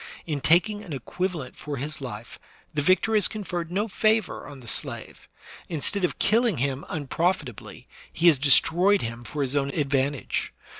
In taking an equiva lent for his life the victor has conferred no favor on the slave; instead of killing him unprofitably, he has de stroyed him for his own advantage.